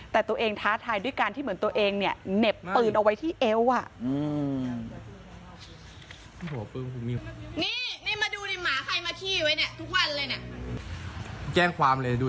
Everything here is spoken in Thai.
แต่ตัวเองท้าทายด้วยการที่เหมือนตัวเองเนี่ยเหน็บปืนเอาไว้ที่เอว